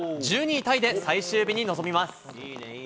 １２位タイで最終日に臨みます。